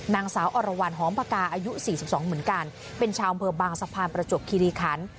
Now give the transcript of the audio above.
นางสาวอรวรรณหอมพกาอายุ๔๒เหมือนกันเป็นชาวอำเภอบางสะพานประจวบคิริคัน